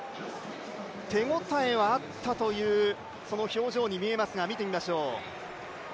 手応えはあったという表情に見えますが、見てみましょう。